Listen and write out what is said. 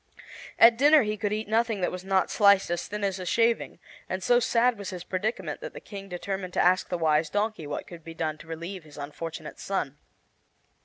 At dinner he could eat nothing that was not sliced as thin as a shaving, and so sad was his predicament that the King determined to ask the Wise Donkey what could be done to relieve his unfortunate son.